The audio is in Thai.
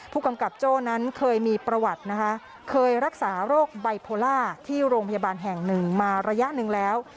ผู้กำกับโจ้นั้นเคยมีประวัตินะคะเคยรักษาโรคไบโพล่าที่โรงพยาบาลแห่งหนึ่งมาระยะหนึ่งแล้ว